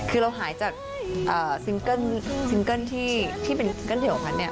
เราหายจากสิงเกิ้ลที่เป็นสิงเกิ้ลเด็กของพัน